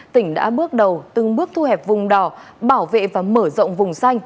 tỉnh đã bước đầu từng bước thu hẹp vùng đỏ bảo vệ và mở rộng vùng xanh